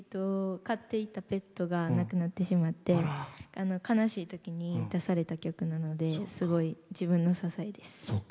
飼っていたペットが亡くなってしまって悲しいときに出された曲なのですごい自分の支えです。